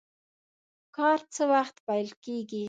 کار څه وخت پیل کیږي؟